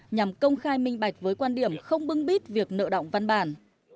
nhằm công khai minh bạch với quan điểm không bưng bít việc nợ động văn bản